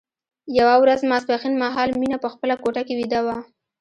یوه ورځ ماسپښين مهال مينه په خپله کوټه کې ويده وه